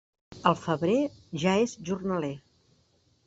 Al febrer, ja és jornaler.